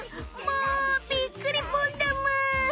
もうびっくりぽんだむ！